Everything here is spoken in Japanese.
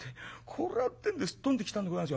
これはってんですっ飛んできたんでござんすよ。